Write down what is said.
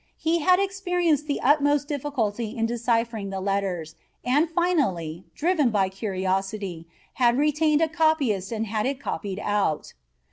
He had experienced the utmost difficulty in deciphering the letters, and finally, driven by curiosity, had retained a copyist and had it copied out.